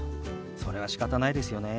それはしかたないですよね。